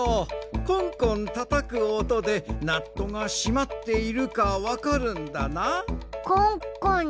コンコンたたくおとでナットがしまっているかわかるんだな。